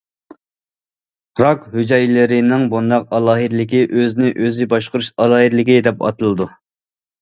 راك ھۈجەيرىلىرىنىڭ بۇنداق ئالاھىدىلىكى ئۆزىنى ئۆزى باشقۇرۇش ئالاھىدىلىكى، دەپ ئاتىلىدۇ.